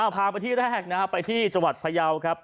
พาไปที่แรกนะครับไปที่จังหวัดพยาวครับ